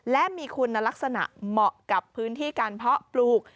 และมีคุณลักษณะเหมาะกับพื้นที่การเพาะปลูก